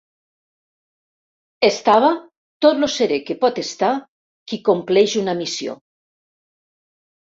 Estava tot lo serè que pot estar qui compleix una missió